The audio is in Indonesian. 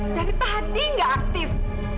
dari tadi gak aktif